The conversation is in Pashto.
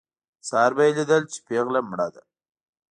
سهار به یې لیدل چې پېغله مړه ده.